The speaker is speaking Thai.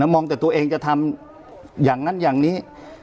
มองแต่ตัวเองจะทำอย่างนั้นอย่างนี้